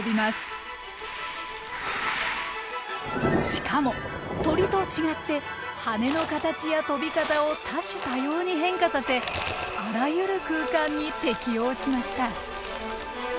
しかも鳥と違って羽の形や飛び方を多種多様に変化させあらゆる空間に適応しました。